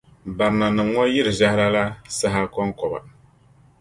Barinanim ŋɔ yiri zahara la saha kɔŋkɔba.